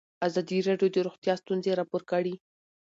ازادي راډیو د روغتیا ستونزې راپور کړي.